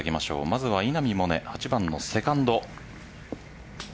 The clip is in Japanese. まずは稲見萌寧８番のセカンド。